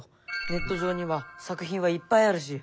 ネット上には作品はいっぱいあるし。